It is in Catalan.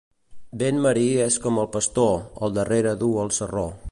Vent marí és com el pastor: al darrere duu el sarró.